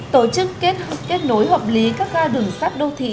tổ chức kết nối hợp lý các giao đường sắp đô thị